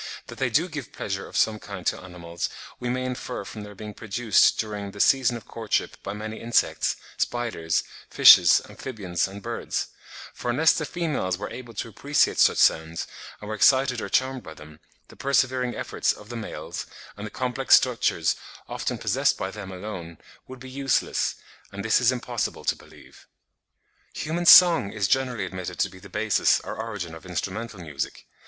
That they do give pleasure of some kind to animals, we may infer from their being produced during the season of courtship by many insects, spiders, fishes, amphibians, and birds; for unless the females were able to appreciate such sounds and were excited or charmed by them, the persevering efforts of the males, and the complex structures often possessed by them alone, would be useless; and this it is impossible to believe. Human song is generally admitted to be the basis or origin of instrumental music.